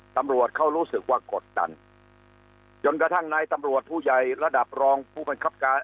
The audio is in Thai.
ตำรวจเขารู้สึกว่ากดดันจนกระทั่งนายตำรวจผู้ใหญ่ระดับรองผู้บังคับการ